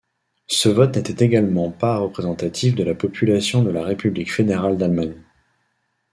Ce vote n’était également pas représentatif de la population de la République fédérale d’Allemagne.